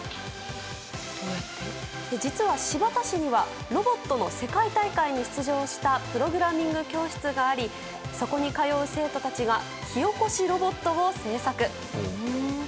実は新発田市にはロボットの世界大会に出場したプログラミング教室がありそこに通う生徒たちが火おこしロボットを製作。